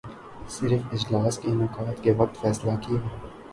صرف اجلاس کے انعقاد کے وقت کا فیصلہ کیا